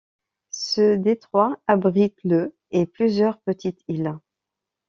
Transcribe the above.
Ce détroit abrite le et plusieurs petites îles.